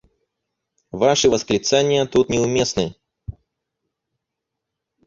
Ваши восклицания тут не уместны.